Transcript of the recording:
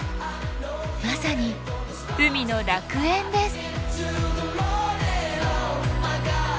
まさに海の楽園です。